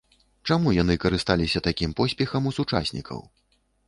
Чаму яны карысталіся такім поспехам у сучаснікаў?